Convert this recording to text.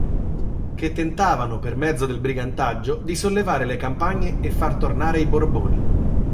Che tentavano, per mezzo del brigantaggio, di sollevare le campagne e far tornare i Borboni.